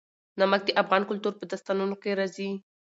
نمک د افغان کلتور په داستانونو کې راځي.